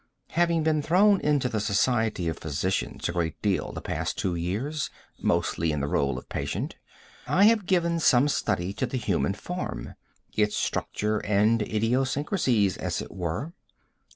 Having been thrown into the society of physicians a great deal the past two years, mostly in the role of patient, I have given some study to the human form; its structure and idiosyncracies, as it were.